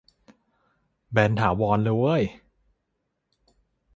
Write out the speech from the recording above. แบนถาวรเลยเว้ย